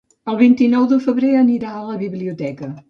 El vint-i-nou de febrer anirà a la biblioteca.